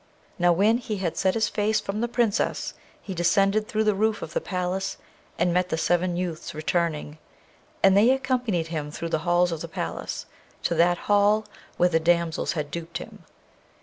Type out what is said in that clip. Now, when he had set his face from the Princess he descended through the roof of the palace, and met the seven youths returning, and they accompanied him through the halls of the palace to that hall where the damsels had duped him.